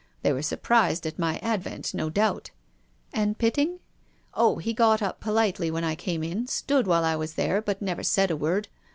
They were surprised at my advent, no doubt." "And Pitting?" " Oh, he got up politely when I came in, stood while I was there, but never said a word.